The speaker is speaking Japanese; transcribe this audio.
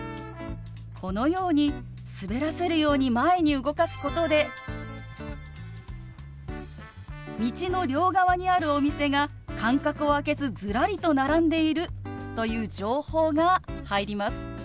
このように滑らせるように前に動かすことで道の両側にあるお店が間隔を空けずずらりと並んでいるという情報が入ります。